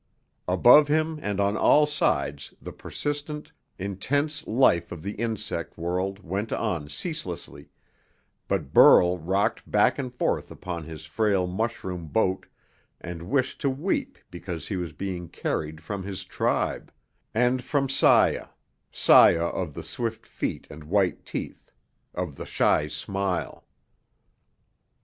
Above him and on all sides the persistent, intense life of the insect world went on ceaselessly, but Burl rocked back and forth upon his frail mushroom boat and wished to weep because he was being carried from his tribe, and from Saya Saya of the swift feet and white teeth, of the shy smile.